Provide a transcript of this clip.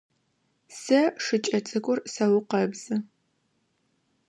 Сэ шыкӏэ цӏыкӏур сэукъэбзы.